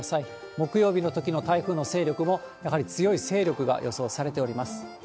木曜日のときの台風の勢力も、やはり強い勢力が予想されております。